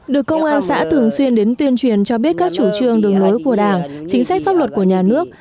được công an xã thường xuyên đến tuyên truyền cho biết các chủ trương đường lối của đảng chính sách pháp luật của nhà nước